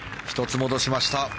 １つ戻しました。